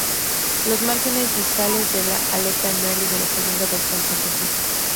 Los márgenes distales de la aleta anal y de la segunda dorsal son rojizos.